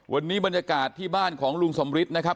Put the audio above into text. วันนี้บรรยากาศที่บ้านของลุงสมฤทธิ์นะครับ